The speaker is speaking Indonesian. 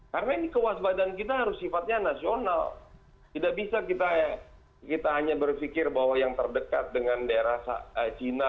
karena ini kewas badan kita harus sifatnya nasional tidak bisa kita hanya berpikir bahwa yang terdekat dengan daerah cina